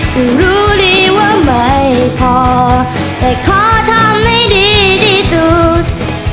ถึงรู้ดีว่าไม่พอแต่ขอทำให้ดีที่สุด